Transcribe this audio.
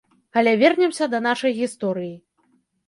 Але вернемся да нашай гісторыі.